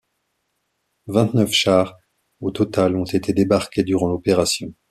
Vingt-neuf chars au total ont été débarqués durant l'opération.